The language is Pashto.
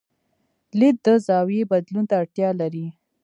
لید د زاویې بدلون ته اړتیا لري.